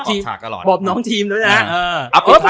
คนมีงานค่อยเงินนวงตีตายนะ